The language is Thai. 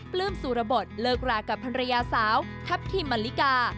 ปลื้มสุรบทเลิกรากับภรรยาสาวทัพทิมมะลิกา